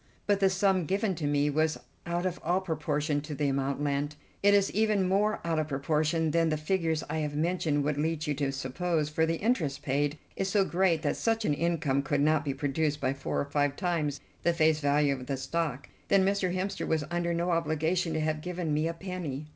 "But the sum given to me was out of all proportion to the amount lent. It is even more out of proportion than the figures I have mentioned would lead you to suppose, for the interest paid is so great that such an income could not be produced by four or five times the face value of the stock. Then Mr. Hemster was under no obligation to have given me a penny."